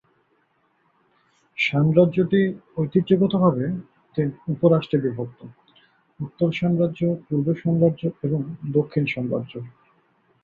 শান রাজ্যটি ঐতিহ্যগতভাবে তিন উপ-রাজ্যে বিভক্ত: উত্তর শান রাজ্য, পূর্ব শান রাজ্য এবং দক্ষিণ শান রাজ্য।